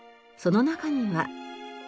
その中には。